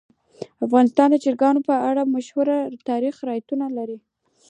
افغانستان د چرګانو په اړه مشهور تاریخی روایتونه لري.